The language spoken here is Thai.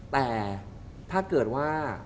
แต่ถ้าเกิดว่า